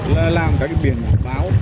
làm cả cái biển báo